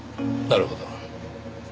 なるほど。